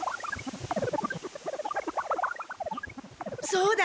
そうだ！